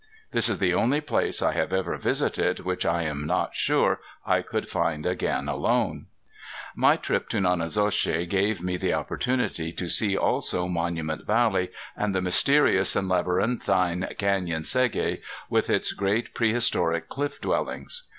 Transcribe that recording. This is the only place I have ever visited which I am not sure I could find again alone. My trip to Nonnezoshe gave me the opportunity to see also Monument Valley, and the mysterious and labyrinthine Canyon Segi with its great prehistoric cliff dwellings.